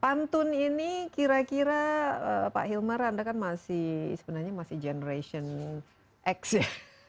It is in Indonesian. pantun ini kira kira pak hilmar anda kan masih sebenarnya masih generation x ya